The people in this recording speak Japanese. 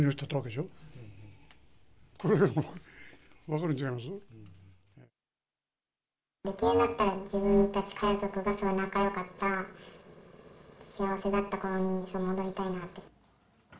できるんだったら、家族が仲よかった、幸せだったころに戻りたいなって。